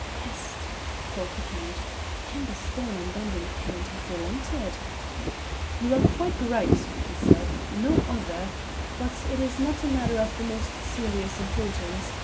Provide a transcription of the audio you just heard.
"Peste!" thought the Count, "can the stern unbending parent have relented? You are quite right," he said; "no other. But it is not a matter of the most serious importance.